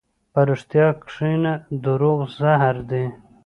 په رښتیا کښېنه، دروغ زهر دي.